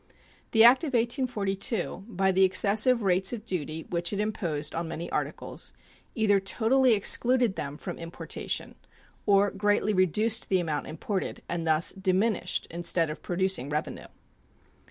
The act of 1842, by the excessive rates of duty which it imposed on many articles, either totally excluded them from importation or greatly reduced the amount imported, and thus diminished instead of producing revenue.